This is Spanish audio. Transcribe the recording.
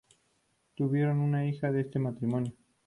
Tuvieron una hija de este matrimonio.